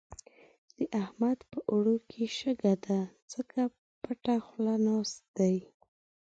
د احمد په اوړو کې شګه ده؛ ځکه پټه خوله ناست دی.